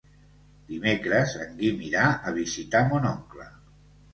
Dimecres en Guim irà a visitar mon oncle.